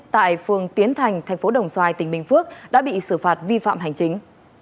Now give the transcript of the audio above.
tại phường tiến thành tp đồng xoài tỉnh bình phước đã bị xử phạt vi phạm hành chính